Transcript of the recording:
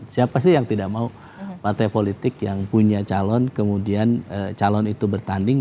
siapa sih yang tidak mau partai politik yang punya calon kemudian calon itu bertanding